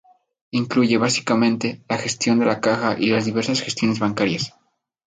Incluye, básicamente, la gestión de la caja y las diversas gestiones bancarias.